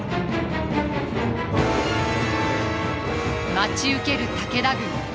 待ち受ける武田軍。